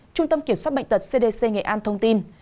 trung tâm kiểm soát bệnh tật cdc nghệ an thông tin